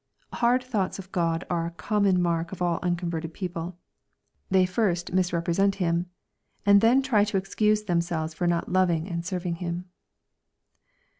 Hard thoughts of God are a common mark of all unconverted people. They first misrepresent Him, and then try to excuse them selves for not loving and serving Him.